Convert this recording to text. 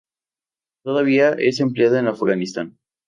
Todavía es empleada en Afganistán.